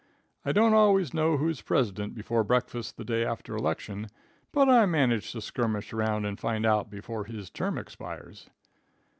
I don't always know who's president before breakfast the day after election, but I manage to skirmish around and find out before his term expires.